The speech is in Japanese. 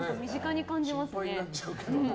心配になっちゃうけど。